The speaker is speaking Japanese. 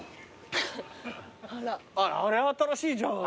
あっあれ新しいじゃん。